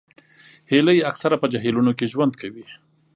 هیلۍ اکثره په جهیلونو کې ژوند کوي